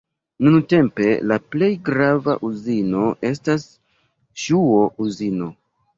Nuntempe la plej grava uzino estas ŝuo-uzino.